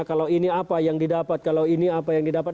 kalau ini apa yang didapat kalau ini apa yang didapat